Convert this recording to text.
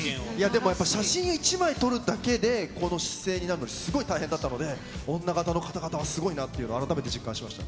でもやっぱり、社員、写真１枚撮るだけで、この姿勢になるのすごい大変だったので、女形の方々はすごいなっていうのを、改めて実感しました。